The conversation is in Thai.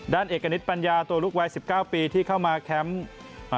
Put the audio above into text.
ด้านเอกณิตปัญญาตัวลูกวาย๑๙ปีที่เข้ามาแคมป์